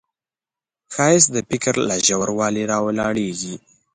ښایست د فکر له ژوروالي راولاړیږي